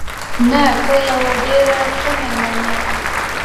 نه، ته یوه ډېره ښه مېرمن یې.